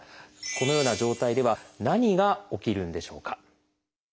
このような状態では何が起きるんでしょうか？